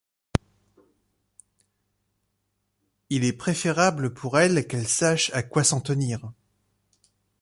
Il est préférable pour elle qu'elle sache à quoi s'en tenir.